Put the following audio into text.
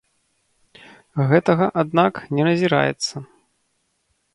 Гэтага, аднак, не назіраецца.